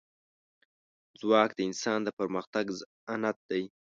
ځواک د انسان د پرمختګ ضمانت دی.